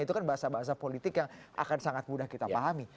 itu kan bahasa bahasa politik yang akan sangat mudah kita pahami